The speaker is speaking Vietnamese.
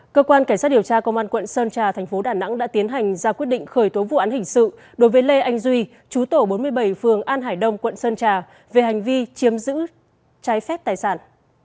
cơ quan cảnh sát điều tra công an quận sơn trà thành phố đà nẵng đã tiến hành ra quyết định khởi tố vụ án hình sự đối với lê anh duy chú tổ bốn mươi bảy phường an hải đông quận sơn trà về hành vi chiếm giữ trái phép tài sản